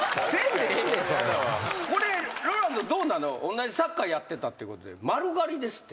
同じサッカーやってたってことで丸刈りですって。